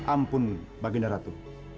ampun baginda ratu